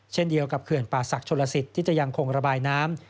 เช่นเดียวกับเขื่อนป่าศักดิ์ชนลสิทธิ์ที่จะยังคงระบายน้ำ